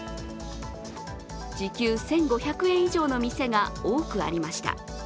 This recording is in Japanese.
時給１５００円以上の店が多くありました。